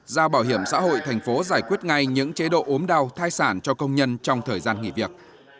giao bảo hiểm xã hội thành phố giải quyết ngay những chế độ ốm đau thai sản cho công nhân trong thời gian nghỉ việc